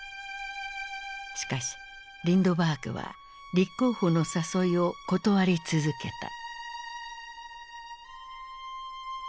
しかしリンドバーグは立候補の誘いを断り続けた。